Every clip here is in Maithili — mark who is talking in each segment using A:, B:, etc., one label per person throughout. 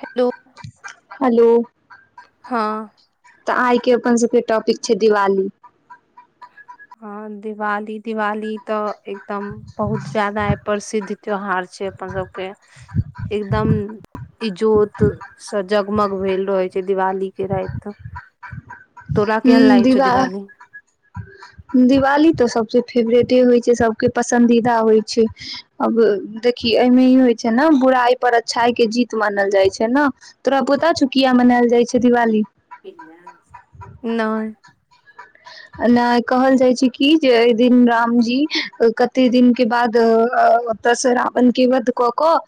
A: हेलो
B: हेलो
A: हां
B: तऽ आइ के अपन सबके टॉपिक छैय दिवाली
A: ह दिवाली दिवाली तऽ एकदम बहुत ज्यादा प्रसिद्ध त्यौहार छैय अपन सबके एकदम इजोत सं जगमग भेल रहय छैय दिवाली के राति तोरा
B: हू
A: केहन लागै छौ
B: दिवा
A: दिवाली
B: दिवाली तऽ सबसे फेवरेटे होइ छैय सबके पसंन्दीदा होइ छैय अब देखही एहिमे ई होइ छैय ने बुराइ पर अच्छाई के जीत मानल जाइ छैय ने तोरा पता छौ किया मनायल जाइ छैय दिवाली
A: नई
B: नई कहल जाइ छैय कि जे एहि दिन रामजी कते दिन के बाद ओतऽसँ रावण के वध कऽ कऽ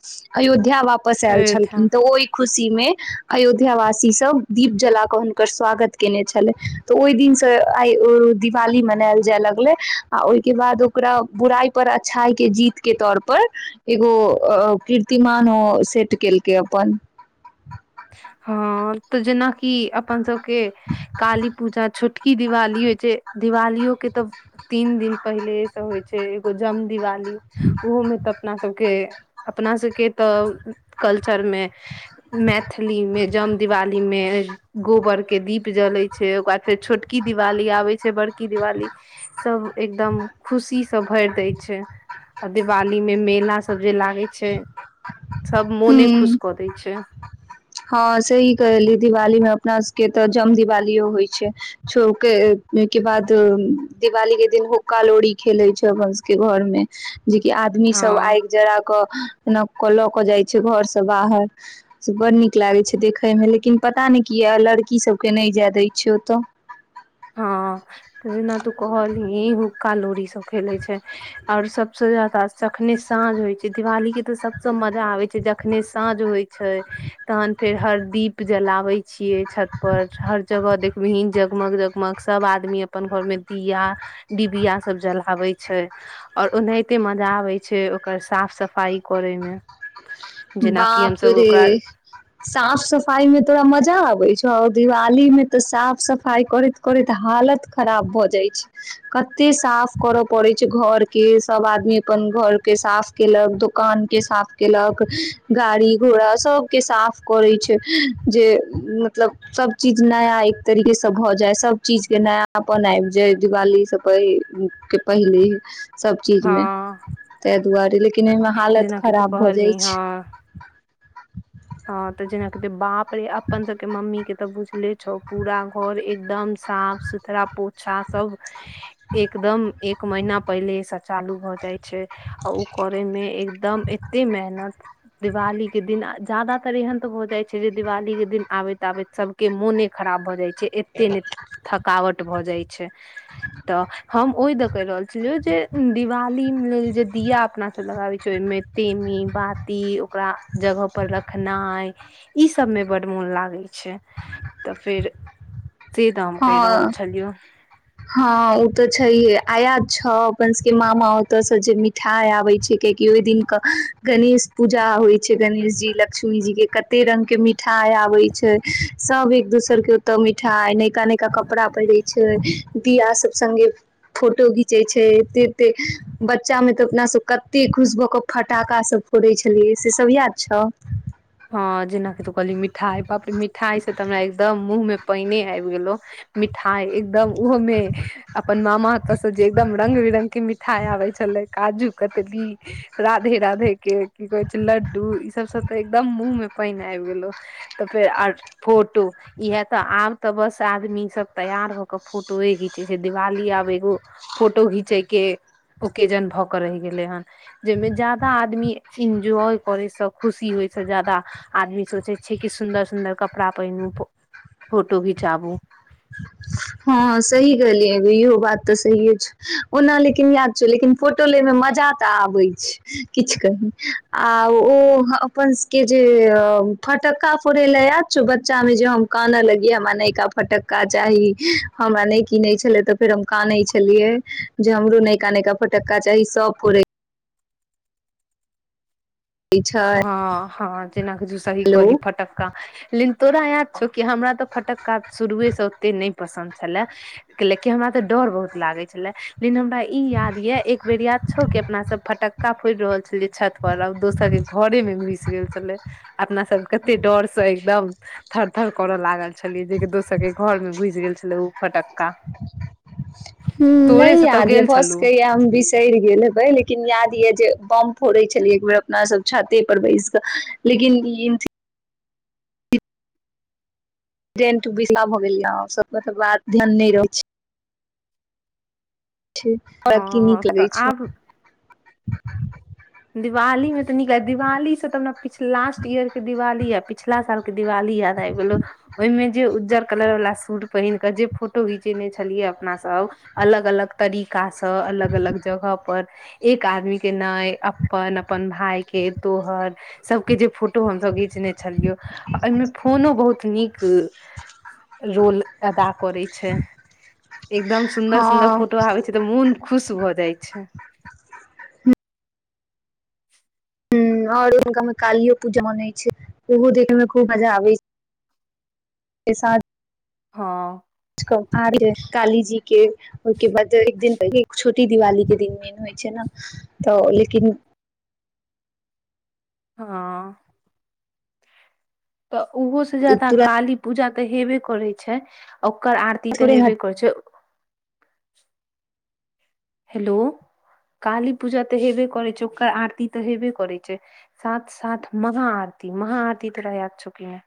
B: अयोध्या वाप वापस आयल
A: अयोध्या
B: छलखिन तऽ ओई खुशी में अयोध्या वासी सब दीप जला कऽ हुनकर स्वागत केने छलै तऽ ओहि दिनसँ आइ दिवाली मनायल जाय लगले आ ओहिके बाद ओकरा बुराइ पर अच्छाई के जीत के तौर पर एगो कीर्तिमान ओ सेट केलकै अपन
A: हँ तऽ जेनाकि अपन सभके काली पूजा छोटकी दिवाली होइ छैय दिवालियओ के तऽ तीन दिन पहिलेसँ होइ छैय एगो जम दिवाली ओहोमे तऽ अपना सबके अपना सबके तऽ कल्चर मे मै मे जम दिवाली मे गोबर के दीप जलै छैय ओइके बाद फेर छोटकी दिवाली आबै छैय बड़की दिवाली सब एकदम खुशी से भरि दै छैय आ दिवाली मे मेला सब जे लागै छैय सब मोने खुश
B: हूँ
A: कऽ दै छैय
B: हँ सही कहली दिवाली मे अपना सबके तऽ जम दिवालिओ होइ छैइ छउ के ओहिके बाद दिवाली के दिन हुक्का लोड़ी खेले छैइ अपना सबके घर में जेकि आदमी सब
A: हँ
B: आगि जरा कऽ केना क ल क जाय छैइ घर से बाहर से बड़ नीक नीक लागै छै देखयमे लेकिन पता नई किया लड़की सभके नहि जाय दै छै ओतय
A: हँ त जेना तू कहलही हुक्का लोरी सब खेले छैइ आओर सबसँ ज्यादा तखने साँझ होय छैइ दिवाली के ते सबसे मजा आबै छैइ जखने साँझ होय छैइ तहन फेर हर दीप जलावइ छिअइ छत पर हर जगह देखबीही जगमग जग गामक सब आदमी अपन घर में दिया डिबिया सब जलाबै छैइ और ओनाहिते मजा आबै छै ओकर साफ सफाई करे मे जेनाकि
B: बाप
A: हमसभ
B: रे
A: ओकरा
B: साफ सफाई मे तोड़ा मजा आबे छै छ दिवाली में ते साफ सफाई करैत करैत हालत खराब भ जाय छै कते साफ करे पड़े छै घर के सब आदमी अपन घर के साफ केलक दुकान के साफ केलक गाड़ी घोड़ा सबके साफ करै छै जे मतलब सब चीज नया एक तरीके से भऽ जाय सब चीज के नया अपन आबि जाय दिवाली से प के पहिले सब चीज मे
A: हँ
B: ताहि दुआरे लेक ओहि मे हालत
A: जेनाकि तू
B: खराब भ जाय
A: कहलही
B: छै
A: हँ हँ तऽ जेना के बाप पर अपन सके मम्मी के तऽ बुझले पूरा घर एकदम साफ सुथरा पोछा सब एकदम एक महीना पहिले चालू भ जाय छै आ ओ करे मे एकदम एते मेहनत दिवाली के दिन ज्यादातर एहन त भ जाय छै जे दिवाली के दिन आबैत आबैत सब के मोने खराब भ जाय छै जे एतेक थकावट भ जा छै त हम ओय कहि रहल छी जे दिवाली लेल जे दिया अपना सब लगाबै छै ओहिमे टेमी बाती ओकरा जगह रखनाइ ई सबमे बड्ड मोन लागै छै तऽ फेर से तऽ हम कहि रहल
B: हँ
A: छलियौ।
B: हँ ओ तऽ छैे आय याद छौ अपन सब के मामा ओते से जे मिठाई आबे छै कियाकि ओहि दिन के गणेश पूजा होय छै गणेश जी लक्ष्मी जी के कते रंग के मिठाई आबे छै सब एक दोसर के ओते मिठाई ने नयका नयका कपड़ा पहिरे छै दिया सब सगे फोटो घीचे छै एते एते बच्चा मे तऽ अपना सब कते खुश भऽ के फटाका सब फोड़े छलियै से सब याद छौ
A: हँ जेनााकि तू कहली मिठाई बाप रे मिठाई से तऽ हमरा एकदम मुह में पानने आबि गेलो मिठाई एकदम ओहोमे अपन मामा हत से जे एकदम रंग बिरंग के मिठाई आबे छलै काजू कतली राधे राधे के की कहे छै लड्डू ई सब सब तऽ एकदम मुंह मे पानि आबि गेलो तऽ फेर आ फोटो इहे ते आब तऽ बस आदमी सब तैयार भ के फोटोए घीचे छै दिवाली आब एगो फोटो घिंचे के ओकेजन भ के रहि गेले हन जेहि में ज्यादा आदमी एन्जॉय करे सब खुशी से ज जादा आदमी सोचे छै कि सुन्दर सुंन्दर कपड़ा पहिनू फोटो घिचाबू
B: हँ सही कहियैगो इहो बात तऽ सहिे छौ ओना लेकिन याद छौ लेकिन फोटो लेमे मजा तऽ आबै छै किछु कही आ ओ अपन के जे फटक्का फोड़य ल याद छो बच्चामे जे हम कानऽ लगिय हमरा नयका फटक्का चाही हमरा नहि किीनै छलै तऽ फेर हम कानै छलियै जे हमरो नयका नयका फटक्का चाही सभ फोड़ै छै
A: हँ हँ जेना किू सही
B: हेलो
A: कहली फटक्का लेकिन तोरा याद छौ की हमरा तऽ फटक्का शुरुए से ओते नहि पसंन्द छले क लेकी हमरा ते डर बहुत लागे छले लेकिन हमरा ई याद ये एक बेर याद छौ कि अपना सब फटक्का फोड़ि रहल छल छत पर आ दोसर घरे मे घुस गेल छलै अपना सब कते डर से एकदम थर थर करऽ लागल छलियै जेक दोसर के घर मे घुस गेल छलै ओ फटक्का
B: ह
A: तोरे
B: नहि
A: से तऽ
B: याद यऽ
A: गेल छलू
B: बसके या हम बिसरि गेल हेबै लेकिन याद ये जे बम फोड़ै छलियै एक बेर अपनासभ छातेपर बैस कऽ लेकिन टेंट विसा भऽ गेलै ओ सभप तऽ बात ध्यान नहि रहै छी [unintelligible] त की
A: हँ
B: नीक
A: तऽ
B: लगैत छौ [unintelligible]
A: दिवालीमे तऽ नीक ल दिवाली से तऽ हमरा लास्ट ईयर के दिवाली या पिछला सालके दिवाली याद आबि गेल ओहिमे जे उज्जर कलर वाला सूट पहिन कऽ जे फोटो घिचेने छलियै अपना सब अलग अलग तरीकासे त अलग अलग जगह पर एक आदमी केना ऐ अपन अपन भाई के तोहर सबके जे फोटो हमसे घिचने छलियौ ओमे फोनो बहुत नीक रोल अदा करै छै एकदम सुन्दर
B: हँ
A: सुन्दर फोटो आबे छै तऽ मुन खुश भऽ जाइ छै
B: ह ओर हुनकामे कालियो पूजा में ओहो देखयमे खूब मजा आबैत छैके साथ [unintelligible]
A: हों
B: त काइल कालीजी के ओहिके बाद एक दिन पहिले छोटी दिवाली के दिन मैन होइ छै ने तऽ लेकिन
A: हँ तऽ ओहो से जादा
B: तुरंत
A: काली पूजा हेबे करै छै ओ ओकर आरती तऽ
B: थोड़े
A: हेबे
B: हट
A: करै छै [inaudible] हेलो काली पूजा तऽ हेबे करै छै ओकर आरती तऽ हेबे करै छै साथ साथ महा आरती महा आरती तोरा याद छौ कि नहि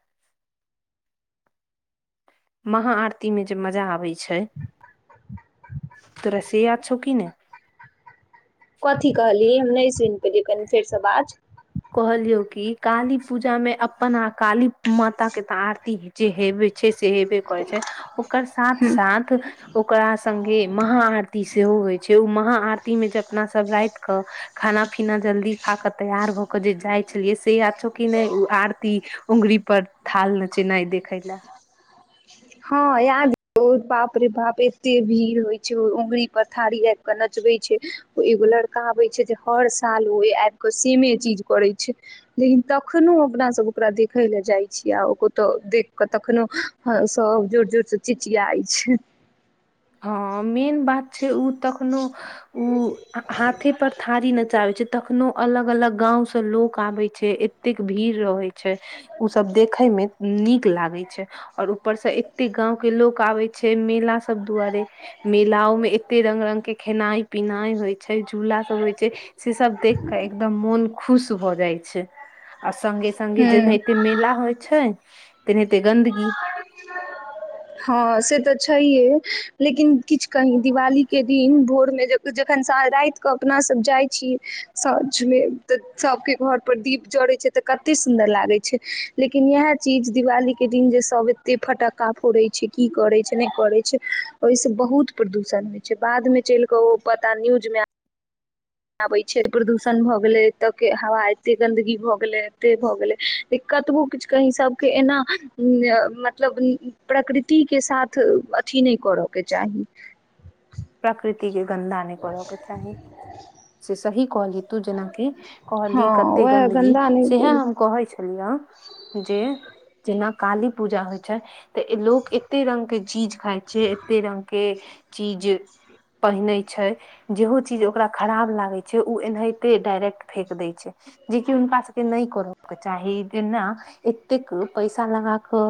A: महा आरती मे जे मजा आबै छै तोरा से याद छौ की नै
B: कथी कहली हम नहि सुइन पेलियै कनि फेरसे बाज
A: कहलियौ कि काली पूजामे अपन आ काली माताे तऽ आरती जे हेवे छै से हेबे करै छै ओकर साथ साथ ओकरा संगे महा आरती सेहो होइ छै छै ओ महा आरती मे जे अपना सब राइत के खाना पीना जल्दी खा के तैयार भ जाइ छलियै से याद छउ की नहि उ आरती उंगरी पर थालमे नचैनाइ देखै ले
B: हँ याद बाप रे बाप एते भीड़ होइ छै ओ अंगुरी पर थारी आब क नचबे छै ओ एगो लड़का आबै छै जे हर साल ओ आबि क सेमे चीज करै छै लेकिन तखनो अपना सब ओकरा देखय ल जाइ छीयै आ कतो देख कऽ तखनो सब जोर जोरसँ चिचियाइ छै
A: हँ मेन बात छै ओ तखनो ओ हाथे पर थारी नचाबै छै तखनो अलग अलग गाँवसे लोक आबै छै एतेक भीड़ रहैत छै ओसभ देखयमे नीक लागै छै आओर ऊपरसँ एतेक गाँंव के लोक आबै छै मेला सभ दुआरे मेलाओं में एते रंग रंग के खेनाई पिनाइ होइ छै झूला सब होइ छै से सब देख के एकदम मोन खुश भ जा जाइ छै संगे संगे
B: हूँ
A: जेनहिइते मेला होइ छै ते नहिते गन्दगी
B: हँ से तऽ छै है लेकिन किछ कही दिवाली के दिन भोर जखन रात कऽ अपना सब जाइ छीयै साँझमे तऽ सभके घर पर दीप जड़ैत छै तऽ कते सुन्दर लागै छै लेकिन इएह चीज दिवाली के दिन जे सब कतेक फटक्का फोड़ै छै की करै छै नहि करै छै ओहिसँ बहुत प्रदूषण होइ छै बादमे चलि कऽ ओ पता न्यूजमे आबै छै प्रदूषण भऽ गेलै एतयके हवा एतेक गन्दगी भऽ गेलै एतेक भऽ गेलै जे कतबो किछु कहीँ सभके एना मतलब प्रकृतिके साथ अथि नहि करयके चाही
A: प्रकृतिक गन्दा नहि करऽ के चाही से सही कॉलेज तू जेनाकी कहली
B: हँ
A: कते
B: वएह
A: गन्दगी
B: गन्दा
A: सेहे
B: नहि
A: हम कहे छी जे जेना काली पूजा होय छै ते लोग एते रंग के चीज खा छै एते रंग के चीज पहिनै छै जेहो चीज ओकरा खराब लागै छै ओ एनाहि डायरेक्ट फेेक दै छै जेकि हुनका सबके नहि करय के चाही जेना एतेक पैसा लगा कऽ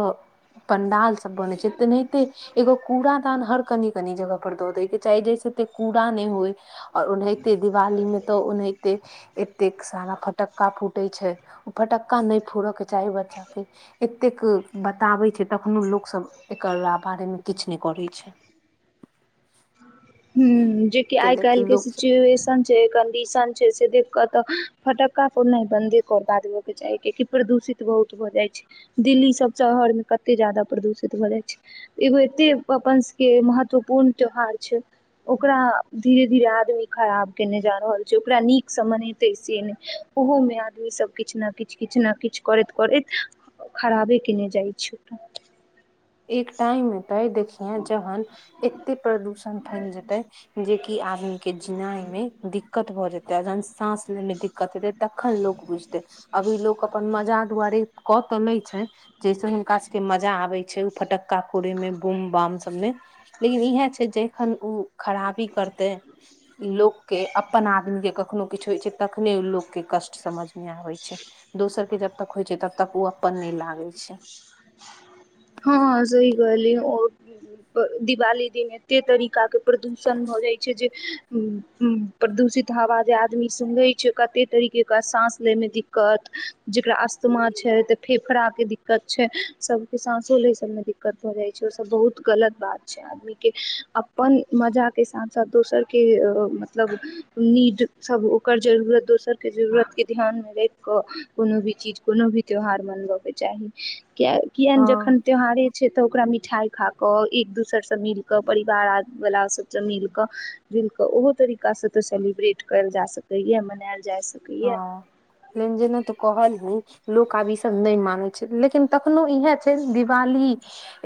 A: पंडाल सब बनैत छै तनहिते एगो कूड़ा हर कनि कनि जगह पर दऽ दै चाहि जे से एतेक कूड़ा नहि होइ और ओनाहिते दिवाली में तो ओनाहित ए एतेक सारा फटक्का फूटै छै ओ फटक्का नहि फोड़य के चाही बच्चा के एतेक बताबै छै तखनो लोक सब एकरा बारेमे किछु नहि करै छै
B: ह जेकि आइ
A: कैलेकि
B: काइलके
A: लोक
B: सिचुएशन छै डीशन छै से देख कऽ तऽ फटक्का फोड़नाय बन्दे क देबयके चाही कियेकि प्रदूषित बहुत भऽ जाइ छै दिल्ली सब शहरमे कते ज्यादा प्रदूषित भऽ जाइ छै एगो एते अपन सबके महत्वपूर्ण त्योहार छै ओकरा धीरे धीरे आदमी खराब कयने जा रहल छै ओकरा नीकसँ मनेतै से नहि ओहोमे आदमीसभ किछु ने किछु किछु ने किछु करैत करैत खराबे कयने जाइ छै
A: एक टाइम ते देखिये जहन एते प्रदूषण फैल जेते जेकि आदमी के जिनाय में दिक्कत भऽ जेते जहन साँस ले में दिक्कत हेते तखन लोक बुझते अभी लोक अपन मजा दुआरे क चले छै जैस हुनका सब के मजा आबे छै फटक्का फोड़े में बूम बाम सबमे लेकिन इएह छै जखन ओ खराबी करते लोक के अपन आदमी के कखनो किछु होइ छै तखने ओ लोक के कष्ट समझ मे आबे छै दोसर के जब तक होइ छै तब तक ओ अपन नहि लागे छै
B: हँ हँ सही कहले दिवाली दिन एते तरीका के प्रदूषण भऽ जाइ छै जे उन उन प्रदूषित हवा जे आदमी सुनै छै कते तरीकेे साँस लैमे दिक्कत जकरा अस्त्मा छै तऽ फेफड़ाके दिक्कत छै सब साँसो लै सबमे दिक्कत भऽ जाइ छै ओ सब बहुत गलत बात छै आदमीके अपन मजाके साथ साथ दोसरके मतलब नीड सब ओकर जरूरत दोसरके जरूरतके ध्यानमे राखि कऽ कोनो भी चीज कोनो भी त्यौहार मनबऽके चाही किए कियाने
A: हँ
B: जखन त्यौहारे छै तऽ ओकरा मिठाई खा के एक दोसर से मिल के परिवार वाला सबसँ मिल के जुल के ओहो तरीका से ते सेलिब्रेट कयल जा सकय या मनायल जा सकैए
A: हँ लेंज ने तऽ कहल ही लोक आब ई सब नहि माने छै लेकिन तक कखनो इह छै दिवाली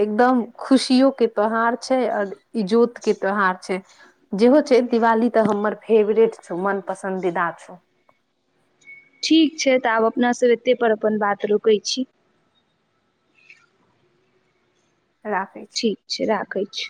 A: एकदम खुशियो के त्यौहार छै आओर इजोत के त्यौहार छै जेहो छै दिवाली तऽ हमर फेवरेट छौ मन पसन्दीदा छौ
B: ठीक छै तऽ आब अपनासँ एतेकपर अपन बात रोकैत छी
A: राखै छी
B: ठीक छै राखै [inaudible]